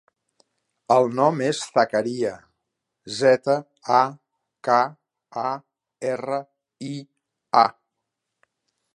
El nom és Zakaria: zeta, a, ca, a, erra, i, a.